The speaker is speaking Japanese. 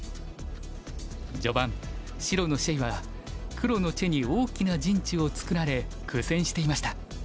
序盤白の謝は黒のチェに大きな陣地を作られ苦戦していました。